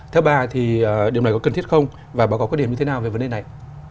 theo bà thì điều này có cần thiết không và bà có quyết định như thế nào về vấn đề này